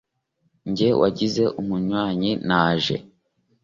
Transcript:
njye wangize umunywanyi, naje